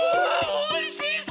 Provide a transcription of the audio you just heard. おいしそう！